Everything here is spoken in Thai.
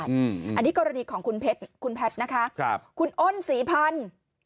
อันนี้กรณีของคุณแพทย์นะคะคุณอ้นศรีพันธ์